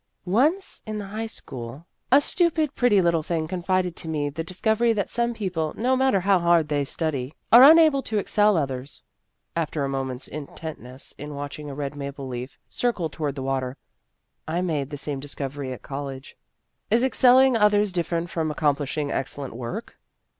"Once, in the high school, a stupid, 1 90 Vassar Studies pretty little thing confided to me the dis covery that some people, no matter how hard they study, are unable to excel others." After a moment's intentness in watching a red maple leaf circle toward the water, " I made the same discovery at college." " Is excelling others different from ac complishing excellent work